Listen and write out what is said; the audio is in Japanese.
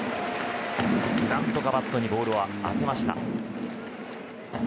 何とかバットにボールを当てました。